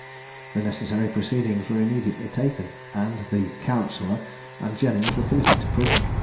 The necessary proceedings were immediately taken, and the counsellor and Jennings were committed to prison.